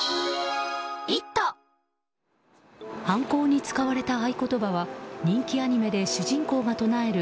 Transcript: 犯行に使われた合言葉は人気アニメで主人公が唱える